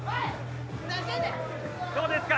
どうですか？